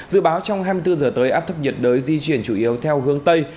dự báo trong hai mươi bốn giờ tới áp thấp nhiệt đới di chuyển chủ yếu theo hướng tây